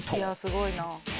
すごいな。